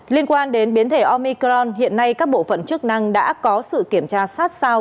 liên quan đến biến thể omicron hiện nay các bộ phận chức năng đã có sự kiểm tra sát sao